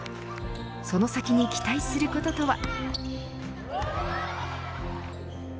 その先に期待することとは。